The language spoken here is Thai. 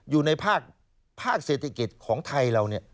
อยู่ในภาคเศรษฐกิจของไทยเรา